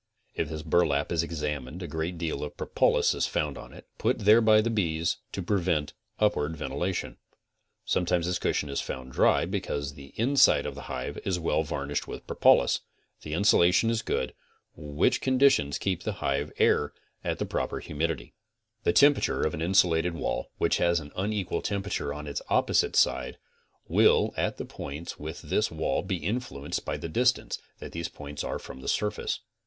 If this burlap is examined a great deal of propolis is found on it, put there by the bees to prevent upward ventilation. Sometimes this cushion is found dry because the inside of the hive is well 42 CONSTRUCTIVE BEEKEEPING varnished with propolis, the insulation is good, which conditions keep the hive air at a proper humdty. The temperature of an nsulated wall, which has an unequal] temperature on its opposite sides, will at the points within this wall be influenced by the distance that these points are from the surface.